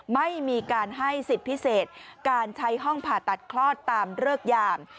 ไม่มีการให้สิทธิ์พิเศษการใช้ห้องผ่าตัดคลอดตามเลิกยาม